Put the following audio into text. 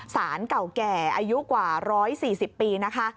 สารเก่าแก่อายุกว่า๑๔๐ปีนะคะ